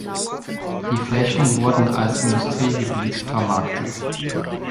Die Flächen wurden als Industriegebiet vermarktet.